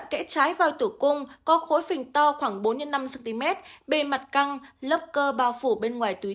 kẽ trái vào tử cung có khối phình to khoảng bốn năm cm bề mặt căng lớp cơ bao phủ bên ngoài túi